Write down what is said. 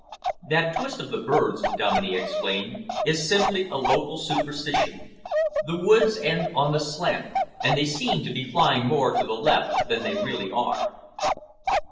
"That twist of the birds," Dominey explained, "is simply a local superstition. The wood ends on the slant, and they seem to be flying more to the left than they really are."